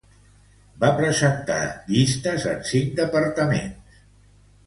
Aire Fresco va presentar llistes en cinc departaments.